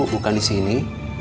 bukan di sini